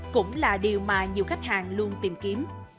cũng là điều mà nhiều khách hàng luôn tìm kiếm